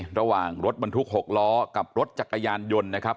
ระหว่างรถบรรทุก๖ล้อกับรถจักรยานยนต์นะครับ